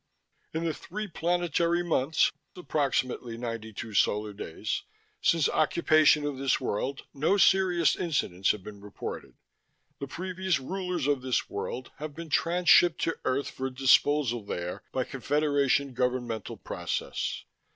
In the three planetary months (approx. ninety two Solar days) since occupation of this world, no serious incidents have been reported. The previous "rulers" of this world have been transshipped to Earth for disposal there by Confederation governmental process.